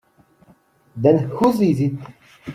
Then whose is it?